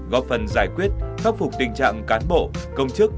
góp phần giải quyết khắc phục tình trạng cán bộ công chức